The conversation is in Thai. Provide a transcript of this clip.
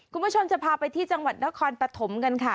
คุณผู้ชมจะพาไปที่จังหวัดนครปฐมกันค่ะ